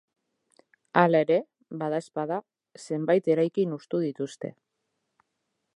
Hala ere, badaezpada, zenbait eraikin hustu dituzte.